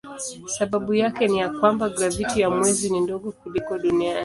Sababu yake ni ya kwamba graviti ya mwezi ni ndogo kuliko duniani.